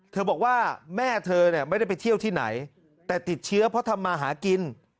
บอกว่าแม่เธอเนี่ยไม่ได้ไปเที่ยวที่ไหนแต่ติดเชื้อเพราะทำมาหากิน